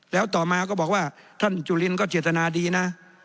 แล้วต่อมาก็บอกว่าท่านจุลินก็เจตนาดีนะ